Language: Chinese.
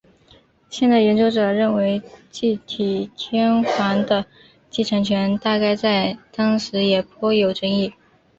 现代研究者认为继体天皇的继承权大概在当时也颇有争议。